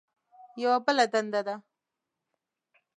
یوه بله دنده ده.